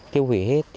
tiêu hủy hết